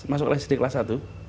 masuk kelas di kelas satu